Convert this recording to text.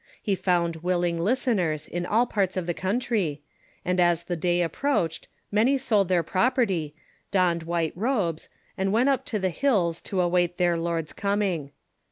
He found willing listeners in all parts of the country, and as the day approached many sold their property, donned white robes, and went up to the hills to await their Lord's Coming.